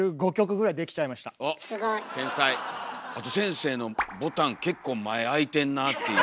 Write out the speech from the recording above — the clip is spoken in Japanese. あと先生のボタン結構前開いてんなっていう。